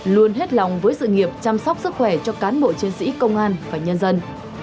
luôn hết lòng với sự nghiệp chăm sóc sức khỏe cho cán bộ chiến sĩ công an và nhân dân